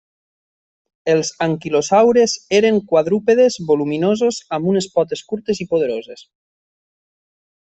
Els anquilosaures eren quadrúpedes voluminosos, amb unes potes curtes i poderoses.